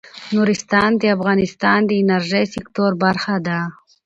نورستان د افغانستان د انرژۍ سکتور برخه ده.